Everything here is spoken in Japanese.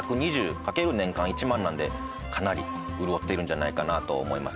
かける年間１万なんでかなり潤っているんじゃないかなと思います